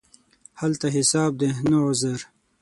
هلته حساب دی، نه عذر.